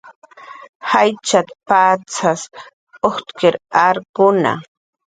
"Jaysat"" pach ujtkir arkuna"